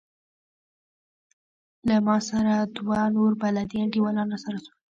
له ما سره دوه نور بلدي انډيوالان راسره سول.